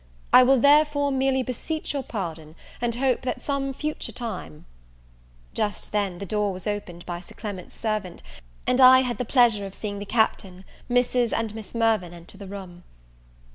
I will, therefore, merely beseech your pardon, and hope that some future time " Just then the door was opened by Sir Clement's servant, and I had the pleasure of seeing the Captain, Mrs. and Miss Mirvan, enter the room.